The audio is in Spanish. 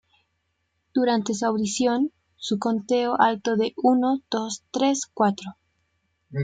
Durante su audición, su conteo alto de "Uno, dos, tres, cuatro!